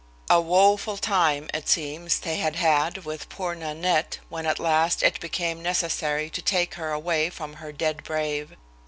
A woful time, it seems, they had had with poor Nanette when at last it became necessary to take her away from her dead brave.